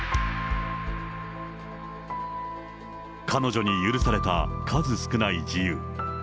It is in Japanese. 彼女に許された数少ない自由。